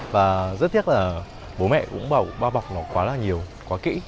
và rất tiếc là bố mẹ cũng bảo bao bọc nó quá là nhiều quá kỹ